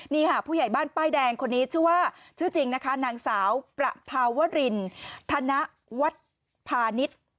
นี่ค่ะผู้ใหญ่บ้านป้ายแดงคนนี้ชื่อว่าชื่อจริงนะคะนางสาวประภาวรินธนวัฒน์พาณิชย์